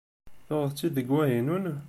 Tuɣeḍ-tt-id deg Wahinun?